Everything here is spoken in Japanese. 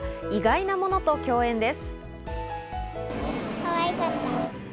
意外なものと共演です。